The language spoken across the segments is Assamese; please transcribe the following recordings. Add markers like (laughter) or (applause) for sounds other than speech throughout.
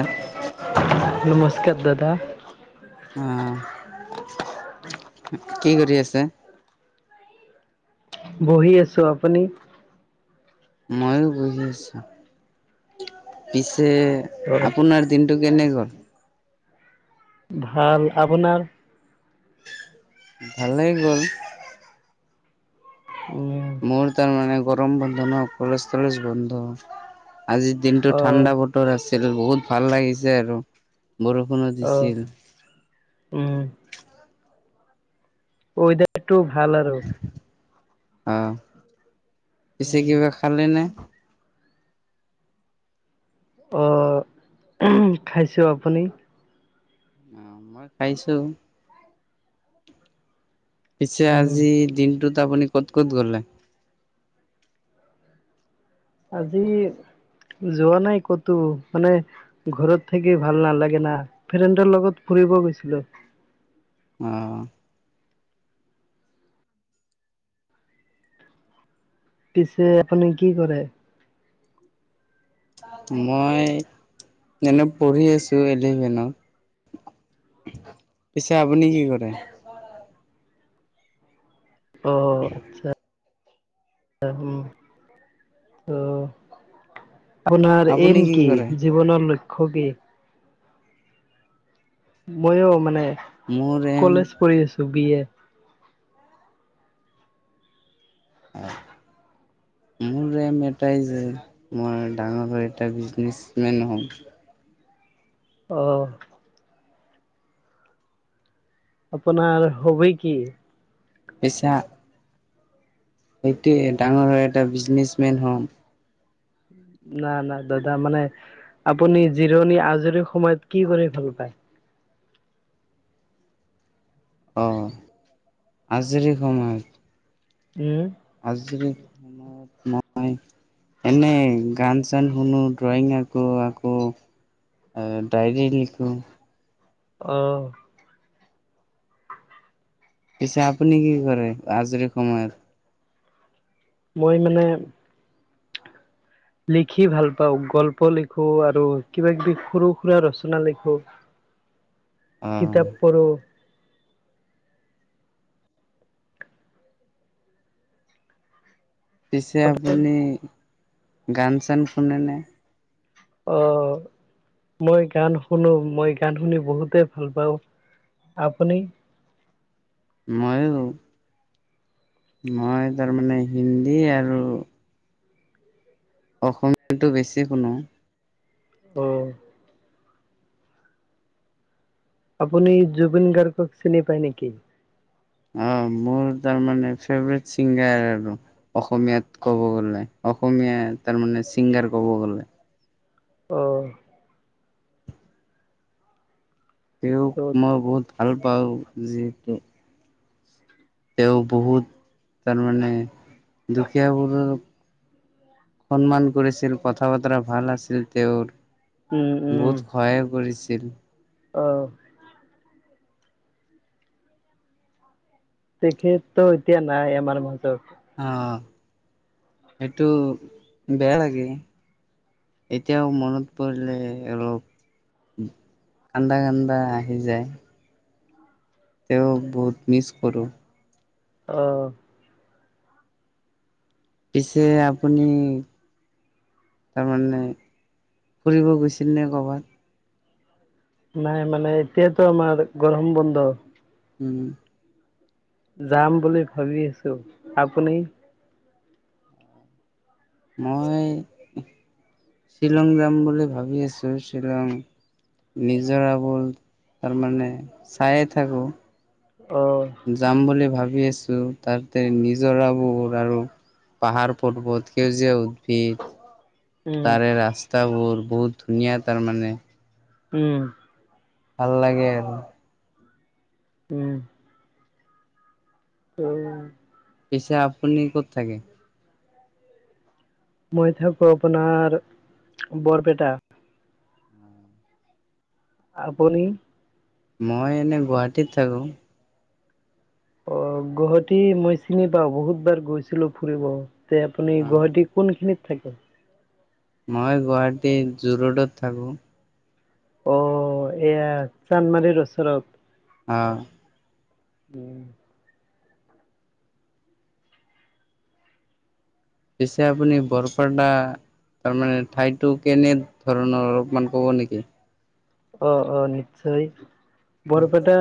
অ', নমস্কাৰ দাদা। অহ, কি কৰি আছে? বহি আছো, আপুনি? মইয়ো বহি আছো, পিছে অ আপোনাৰ দিনটো কেনে গল ভাল, আপোনাৰ? ভাল লাগি গল। উম মোৰ তাৰ মানে গৰম বন্ধ নহ, কলেজ চলেজ বন্ধ। আজিৰ দিনতটো অ ঠাণ্ডা ব তোৰ আছিল বহুত ভাল লাগিছে আৰু, বৰষুণো অ দিছিল। উম কৈ দিয়াটো ভাল আৰু অহ, পিছে উম কিবা খালে নে? অহ, খাইছোঁ আপুনি? অ মই খাইছোঁ। পিছে উম আজি দিনটোত আপুনি কত কত গলা আজি যোৱা নাই কতো মানে ঘৰত থাকি ভাল নালাগে না, ফ্ৰেণ্ডৰ লগত ফুৰিব গৈছিলোঁ। অহ পিছে আপুনি কি কৰে? মই এনে পঢ়ি আছো ইলেভেনত পিছে আপুনি কি কৰে? অহ আচ্ছা আহিম তহ আপোনাৰ আপুনি এম কি? কৰে? জীৱনৰ লক্ষ্য কি? মইও মানে মোৰ এম কৰি আছোঁ বি এড (unintelligible) মোৰ এম এটাই যে মই ডাঙৰ এটা বিজনেচমেন হ'ম অঁ আপোনাৰ হবি কি পেচা সেইটোৱে ডাঙৰ হয় এটা বিজনেচমেন হ'ম না না দাদা মানে আপুনি জিৰণি আজৰি সময়ত কি কৰি ভাল পায় অঁ আজৰি সময়ত উম আজিৰ মই এনেই গান চান শুনো ড্ৰয়িং আকো আকৌ ডাইৰী লিখোঁ অ পিছে আপুনি কি কৰে আজৰি সময়ত মই মানে লিখি ভাল পাওঁ গল্প লিখো আৰু কিবা কিবি সৰু সুৰা ৰচনা লিখো (inaudible) কিতাপ পঢ়ো পিছে আপুনি গান চান শুনেনে অ মই গান শুনো মই গান শুনি বহুতে ভাল পাওঁ আপুনি মই মই তাৰমানে হিন্দী আৰু অসমীয়াটো বেছি শুনো অঁ আপুনি জুবিন গাৰ্গক চিনি পায় নেকি অ মোৰ তাৰ মানে ফেভৰেট চিংগাৰ আৰু অসমীয়াত ক'ব গ'লে অসমীয়া তাৰ মানে ছিংগাৰ কব গ'লে অ তেওঁক ত' মই বহুত ভাল পাওঁ যিহেতু তেওঁ বহুত তাৰমানে দুখীয়াবোৰৰ সন্মান কৰিছিল কথা বতৰা ভাল আছিল তেওঁৰ উম, উম, বহুত সহায়ো কৰিছিল অ তেখেত ত এতিয়া নাই আমাৰ মাজত অ সেইটো বেয়া লাগে এতিয়াও মনত পৰিলে অলপ কান্দা কান্দা আহি যায় তেওঁ বহুত মিছ কৰোঁ অ পিছে আপুনি তাৰমানে ফুৰিব গৈছিল নে কবাত নাই মানে এতিয়াতো আমাৰ গৰম বন্ধ উম। যাম বুলি ভাবি আছো, আপুনি? মই শ্বিলং যাম বুলি ভাবি আছো। শ্বিলং নিজৰাবোৰ তাৰ মানে চাইয়ে থাকো। অ'। যাম বুলি ভাবি আছো তাতে নিজৰাবোৰ আৰু পাহাৰ পৰ্বত সেউজীয়া উদ্ভিদ উম, তাৰে ৰাস্তাবোৰ বহুত ধুনীয়া তাৰমানে। উম। ভাল লাগে আৰু। উম। অ'। পিচে আপুনি ক'ত থাকে? মই থাকো আপোনাৰ বৰপেটা। আপুনি? মই এনে গুৱাহাটীত থাকোঁ। অ', গুৱাহাটী মই চিনি পাওঁ বহুত বাৰ গৈছিলো ফুৰিব, তে আপুনি অ গুৱাহাটী কোনখিনিত থাকে? মই গুৱাহাটীৰ জুৰোডত থাকো। অ', এয়া চান্দমাৰীৰ ওচৰত। অ'। উম। পিছে আপুনি বৰপেটা তাৰমানে ঠাইটো কেনে ধৰণৰ অলপমান ক'ব নেকি। অ', অ', নিশ্চয়। বৰপেটা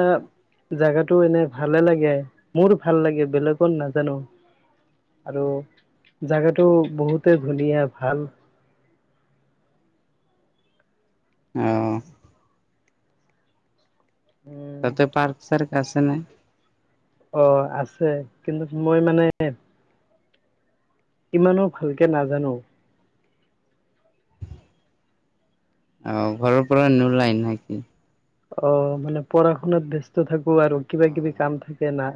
জেগাটো এনে ভালে লাগে মোৰ ভাল লাগে বেলেগৰ নাজানো। আৰু জেগাটো বহুতেই ধুনীয়া ভাল। অ'। উম তাতে পাৰ্ক চাৰ্ক আছে নে? অ', আছে, কিন্তু মই মানে ইমানো ভালকে নাজানো। অ', ঘৰৰ পৰা নোলাই নেকি? অ', মানে পঢ়া শুনাত ব্যস্ত থাকো আৰু কিবা কিবি কাম থাকে না।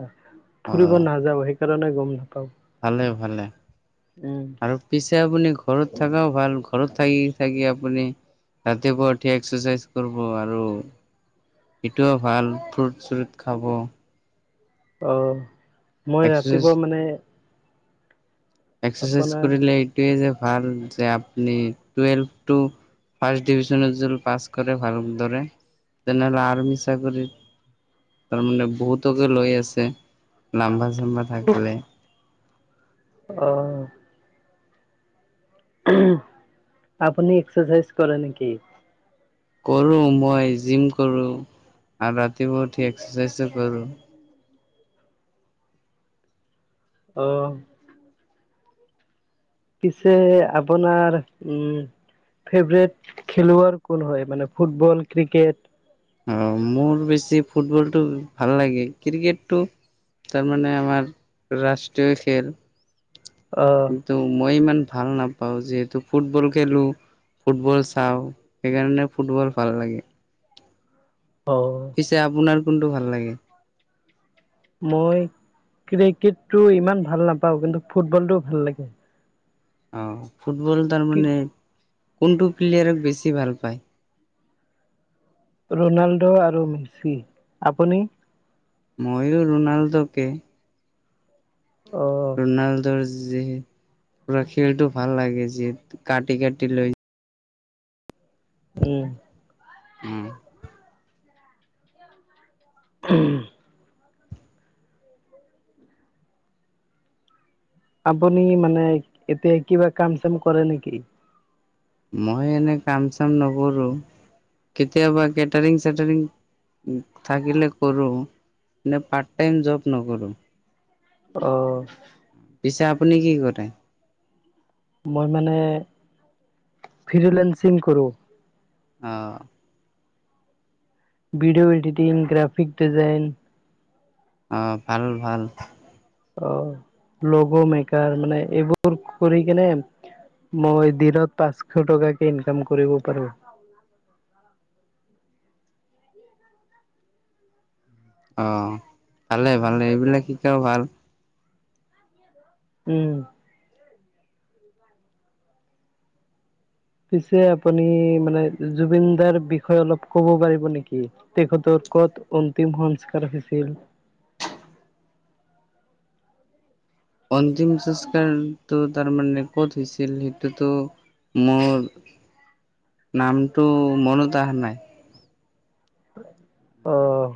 অ ফুৰিব নাযাওঁ সেইকাৰণে গম নাপাওঁ। ভালে ভালে আৰু পিছে আপুনি ঘৰত থকাও ভাল। ঘৰত থাকি থাকি আপুনি ৰাতিপুৱা উঠি এক্সাৰচাইজ কৰিব আৰু সেইটোও ভাল ফুট চুট খাব। অ', মই এক্সাৰচাইজ ৰাতিপুৱা মানে এক্সাৰচাইজ আপোনাৰ কৰিলে এইটোৱে যে ভাল যে আপুনি টোৱেলভটো ফাষ্ট ডিভিজনত যদি পাছ কৰে ভাল দৰে। তেনেহ'লে আৰ্মি চাকৰিত তাৰমানে বহুতকে লৈ আছে নাম্বাৰ চাম্বাৰ থাকিলে। অ'। আপুনি এক্সাৰচাইজ কৰে নেকি? কৰো মই জিম কৰো আৰু ৰাতিপুৱা উঠি এক্সাৰচাইজো কৰো। অ'। পিছে আপোনাৰ উম। ফেভৰেট খেলুৱৈ কোন হয় মানে ফুটবল ক্ৰিকেট? অ মোৰ বেছি ফুটবলটো ভাল লাগে। ক্ৰিকেটটো তাৰমানে আমাৰ ৰাষ্ট্ৰীয় খেল। অ'। ত' মই ইমান ভাল নাপাওঁ, যিহেতু ফুটবল খেলো। ফুটবল চাওঁ সেইকাৰণে ফুটবল ভাল লাগে। অ'। পিছে আপোনাৰ কোনটো ভাল লাগে? মই ক্ৰিকেটটো ইমান ভাল নাপাওঁ কিন্তু, ফুটবলটো ভাল লাগে। অঁ, ফুটবল কি তাৰমানে কোনটো প্লেয়াৰক বেছি ভাল পায়? ৰোনাল্ডো আৰু মেচি। আপুনি? মইও ৰোনাল্ডোকে। অ'। ৰোনাল্ডোৰ যে পোৰা খেলটো ভাল লাগে যে কাটি কাটি লৈ উম। উম। (inaudible) আপুনি মানে এতিয়া কিবা কাম চাম কৰে নেকি? মই এনে কাম চাম নকৰো কেতিয়াবা, কেটাৰিং চেটাৰিং থাকিলে কৰো। এনে পাৰ্ট টাইম জব নকৰো। অ'। পিছে আপুনি কি কৰে? মই মানে ফ্ৰীলেনচিং কৰো। অ'। Video editing, graphic design. অঁ, ভাল ভাল। অ', লগ মেকাৰ মানে এইবোৰ কৰি কেনে মই দিনত পাঁচশ টকাকে ইনকাম কৰিব পাৰো। (inaudible) অঁ, ভালে ভালে এইবিলাক শিকোও ভাল। উম। পিছে আপুনি মানে জুবিন দাৰ বিষয়ে অলপ ক'ব পাৰিব নেকি? তেখতৰ ক'ত অন্তিম সংস্কাৰ হৈছিল? অন্তিম সংস্কাৰটো তাৰমানে ক'ত হৈছিল সেইটোতো। মোৰ নামটো মনত আহা নাই। অ'।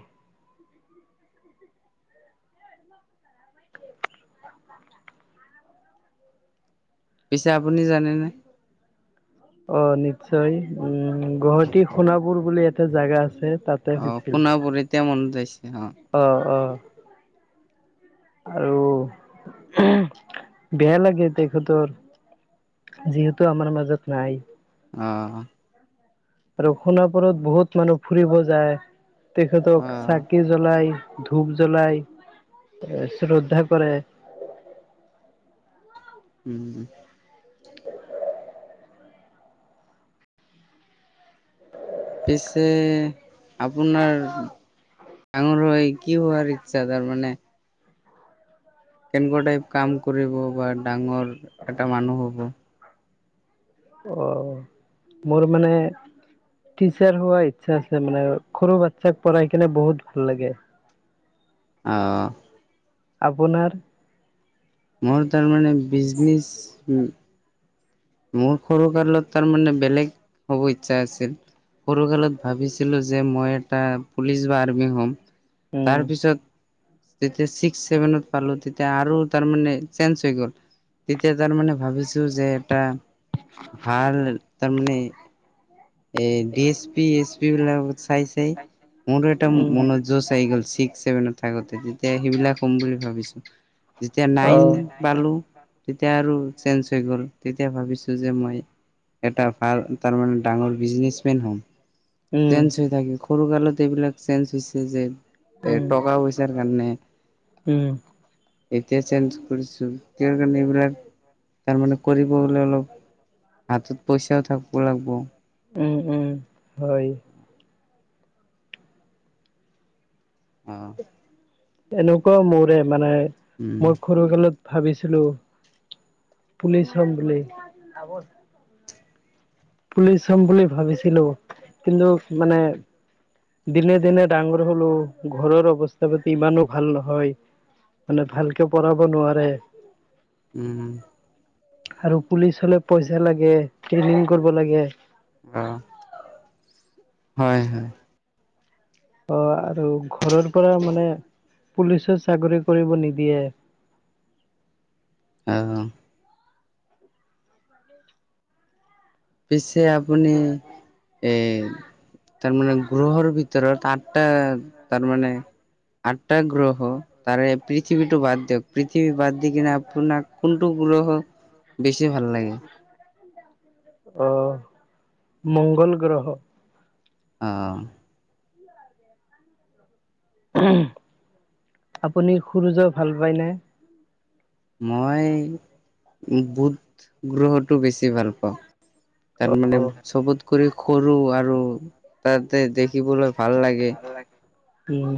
পিছে আপুনি জানেনে? অ' নিশ্চয়, উম গুৱাহাটী সোণাপুৰ বুলি এটা জাগা আছে তাত। অ' সোণাপুৰ এতিয়া মনত আহিছে অঁ। অঁ অঁ আৰু বেয়া লাগে তেখতৰ যিহেতু আমাৰ মাজত নাই। অঁহ। আৰু সোণাপুৰত বহুত মানুহ ফুৰিব যায়, তেখেতক অ', চাকি জ্বলাই। ধূপ জ্বলাই শ্ৰদ্ধা কৰে। উম উম্। পিছে আপোনাৰ ডাঙুৰ হৈ কি হোৱাৰ ইচ্ছা তাৰমানে? কেনকুৱা টাইপ কাম কৰিব বা ডাঙৰ, এটা মানুহ হ'ব? অ', মোৰ মানে টিচাৰ হোৱা ইচ্ছা আছে মানে সৰু বাচ্ছাক পঢ়াই কিনে বহুত ভাল লাগে। অ আপোনাৰ? মোৰ তাৰমানে বিজনেছ মোৰ সৰু কালত তাৰ মানে বেলেগ হ'ব ইচ্ছা আছিল। সৰু কালত ভাবিছিলোঁ যে মই এটা পুলিচ বা আৰ্মি হ'ম। উম তাৰপিছত যেতিয়া ছিক্স-ছেভেনত পালো তেতিয়া আৰু তাৰমানে চেঞ্জ হৈ গ'ল- তেতিয়া তাৰমানে ভাবিছো যে এটা- ভাল তাৰমানে- এ্ D S P, S P বিলাক চাই-চাই মোৰো এটা উম। মনত জচ আহি গ'ল- ছিক্স-ছেভেনত থাকোতে তেতিয়া সেইবিলাক হম বুলি ভাবিছো। যেতিয়া নাইন অ'। পালো তেতিয়া আৰু চেঞ্জ হৈ গ'ল, তেতিয়া ভাবিছো যে মই এটা ভাল তাৰমানে টা মানে বিজনেছ মেন হম। উম চেঞ্জ হৈ থাকে সৰু কালতু এইবিলাক চেঞ্জ হৈছে যে- এ উম টকা পইচাৰ কাৰণে। উম এতিয়া চেঞ্জ কৰিছো, সেই কাৰণে এইবিলাক তাৰমানে কৰিব ওলালোঁ, হাতত পইচাও থাক'ব লাগ'ব। উম উম, হয়। অ' এনেকুৱাও মোৰে মানে- উম, মোক সৰুকালত ভাবিছিলো- পুলিচ হম বুলি পুলিচ হম বুলি ভাবিছিলো, কিন্তু মানে দিনে-দিনে ডাঙৰ হ'লো, ঘৰৰ অৱস্থা-পাতি ইমানো ভাল নহয় মানে ভালকে পঢ়াব নোৱাৰে উম আৰু পুলিচ হ'লে পইচা লাগে, ট্ৰেনিং কৰিব লাগে অ', হয় হয়। অ' আৰু ঘৰৰ পৰা মানে- পুলিচো চাকৰি কৰিব নিদিয়ে হয়-হয়। পিছে আপুনি, এই তাৰমানে গ্ৰহৰ ভিতৰত আঠটা, তাৰ মানে আঠটা গ্ৰহ, তাৰে পৃথিৱীটো বাদ দিয়ক পৃথিৱী বাদ দি কিনে আপোনাক কোনটো গ্ৰহ- বেছি ভাল লাগে? অ', মংগল গ্ৰহ। অঁ'। আপুনি সুৰুজৰ ভাল পাই নে? মই্ বুত গ্ৰহটো বেছি ভাল পাওঁ। অ তাত মানে চবত কৰি সৰু আৰু তাতে দেখিবলৈ ভাল লাগে। উম্।